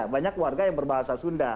banyak warga yang berbahasa sunda